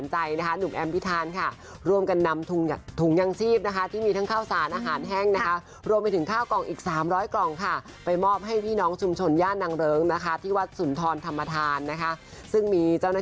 ให้กำลังใจคุณหมอกับพยาบาลตรงนี้ครับ